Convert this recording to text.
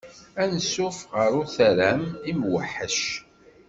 Ansuf ɣer Utaram imweḥḥec.